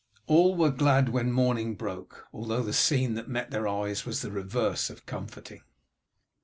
All were glad when morning broke, although the scene that met their eyes was the reverse of comforting.